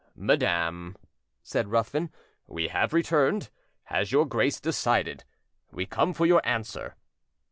"Madam," said Ruthven, "we have returned. Has your Grace decided? We come for your answer."